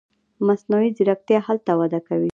مصنوعي ځیرکتیا هلته وده کوي.